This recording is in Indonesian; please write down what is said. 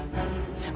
aku itu tidak waras